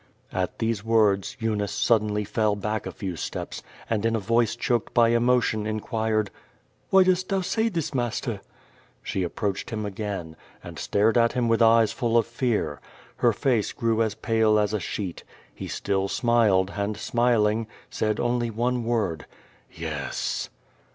At these words Eunice suddenly fell back a few steps, and in a voice choked by emotion inquired: "Why dost thou say this, master?" She approached him again, and stared at him with eyes full of fear. Her face grew as paid as a sheet. He still smiled, and smiling, said only one word — ^^^Yes."